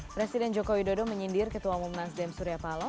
presiden jokowi dodo menyindir ketua umum nasdem surya palo